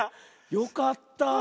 よかった。